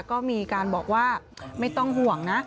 ก็มีการบอกว่าไม่ต้องห่วงนะ